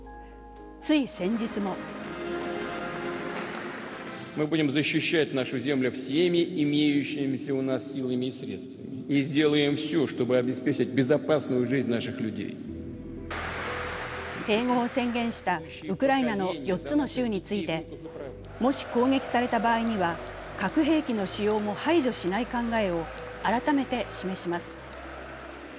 つい先日も併合を宣言したウクライナの４つの州についてもし攻撃された場合には核兵器の使用も排除しない考えを改めて示します。